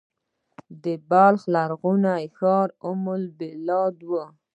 د بلخ لرغونی ښار ام البلاد و